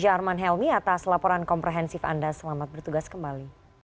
saya fiza arman helmy atas laporan komprehensif anda selamat bertugas kembali